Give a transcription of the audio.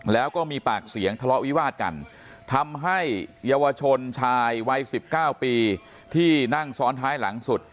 แล้วก็มีปากเสียงทะเลาะวิวาดกันทำให้เยาวชนชายวัย๑๙ปีที่นั่งซ้อนท้ายหลังสุด